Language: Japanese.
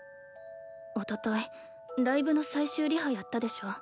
おとといライブの最終リハやったでしょ？